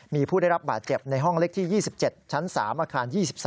มีผู้ได้รับบาดเจ็บในห้องเล็กที่๒๗ชั้น๓อาคาร๒๓